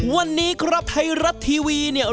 วันนี้ครับไทยรัฐทีวีเนี่ย